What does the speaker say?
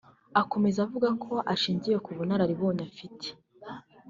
Akomeza avuga ko ashingiye ku bunararibonye afite